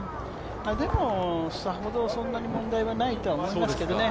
でも、さほど、そんなに問題はないと思いますけどね